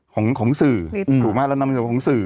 ของของสื่อ